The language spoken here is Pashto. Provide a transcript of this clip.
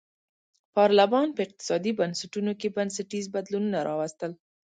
پارلمان په اقتصادي بنسټونو کې بنسټیز بدلونونه راوستل.